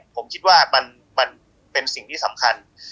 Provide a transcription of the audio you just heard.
ผมคิดว่ามันเป็นสิ่งที่สำคัญ